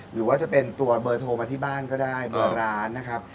หรือว่าจะเป็นตัวเบอร์โทรมาที่บ้านก็ได้เบอร์ร้านนะครับ